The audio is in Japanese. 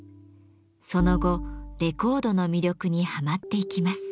その後レコードの魅力にはまっていきます。